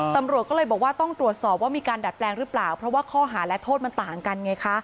ตำรวจก็เลยบอกว่าต้องตรวจสอบว่ามีการดัดแปลงหรือเปล่าเพราะว่าข้อหาและโทษมันต่างกันไงคะ